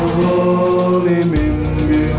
ya berlipat lipat lah